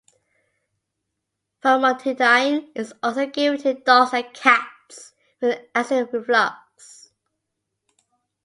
Famotidine is also given to dogs and cats with acid reflux.